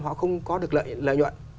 họ không có được lợi nhuận